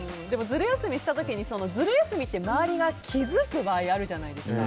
ズル休みした時にズル休みって周りが気付く場合があるじゃないですか。